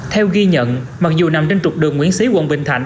theo ghi nhận mặc dù nằm trên trục đường nguyễn xí quận bình thạnh